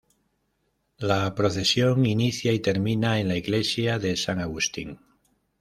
La procesión inicia y termina en la Iglesia de San Agustín.